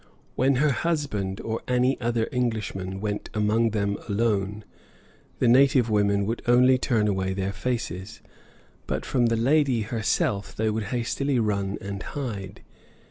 When her husband or any other Englishman went among them alone, the native women would only turn away their faces, but from the lady herself they would hastily run and hide.